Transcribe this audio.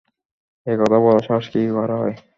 এ কথা বলার সাহস কি করে হয়?